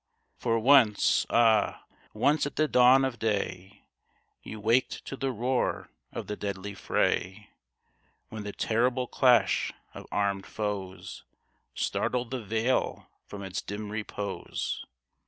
For once, ah ! once at the dawn of day, You waked to the roar of the deadly fray, When the terrible clash of armed foes Startled the vale from its dim repose.